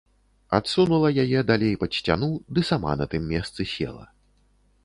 Адсунула яе далей пад сцяну ды сама на тым месцы села.